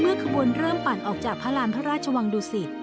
ขบวนเริ่มปั่นออกจากพระราณพระราชวังดุสิต